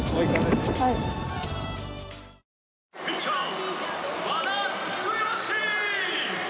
はいピッチャー・和田毅